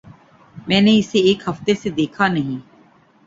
میں نے اسے ایک ہفتے سے دیکھا نہیں۔